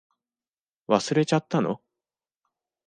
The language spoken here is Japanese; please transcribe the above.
忘れちゃったの？